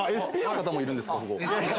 ＳＰの方もいるんですか？